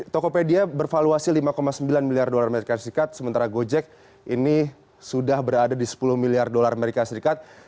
tokopedia bervaluasi lima sembilan miliar usd sementara gojek ini sudah berada di sepuluh miliar usd